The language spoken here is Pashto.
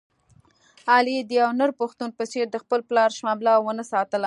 علي د یو نر پښتون په څېر د خپل پلار شمله و نه ساتله.